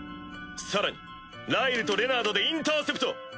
更にライルとレナードでインターセプト！